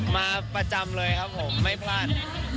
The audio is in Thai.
มาประจำเลยครับผมไม่พลาด